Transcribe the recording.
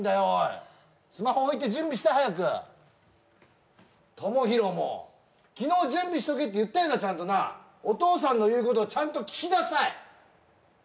おいスマホ置いて準備して早く知弘も昨日準備しとけって言ったよなちゃんとなお父さんの言うことはちゃんと聞きなさい